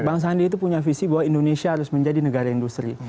bang sandi itu punya visi bahwa indonesia harus menjadi negara industri